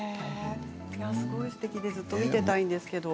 すごいすてきでずっと見ていたんですけど。